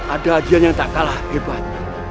ada kajian yang tak kalah hebat